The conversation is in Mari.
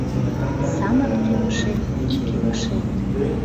Самырык илышет — ик илышет